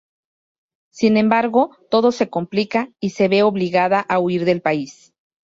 Sin embargo, todo se complica y se ve obligada a huir del país.